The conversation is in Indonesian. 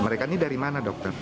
mereka ini dari mana dokter